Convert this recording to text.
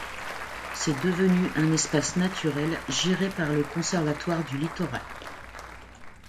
C'est devenu un espace naturel géré par le Conservatoire du littoral.